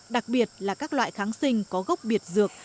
đặc biệt là các loại kháng sinh có gốc biệt dược